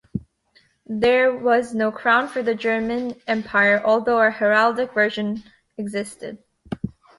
There was no crown for the German Empire, although a heraldic version existed.